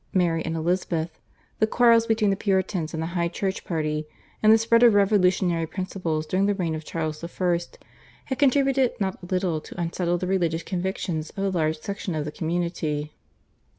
Mary, and Elizabeth, the quarrels between the Puritans and the High Church party, and the spread of revolutionary principles during the reign of Charles I., had contributed not a little to unsettle the religious convictions of a large section of the community.